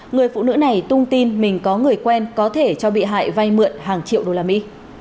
người phụ nữ này tung tin mình có người quen có thể cho bị hại vay mượn hàng triệu đô la mỹ